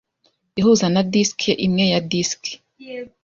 Ihuza na disiki imwe ya disiki.